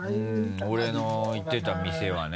俺の行ってた店はね。